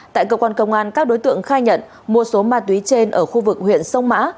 tại cơ quan công an các đối tượng khai nhận mua số ma túy trên ở khu vực huyện sông mã